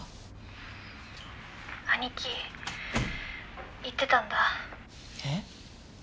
「兄貴言ってたんだ」え？